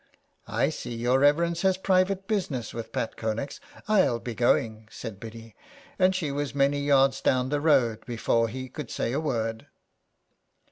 I see your reverence has private business with Pat Connex. I'll be going," said Biddy, and she was many yards down the road before he could say a word.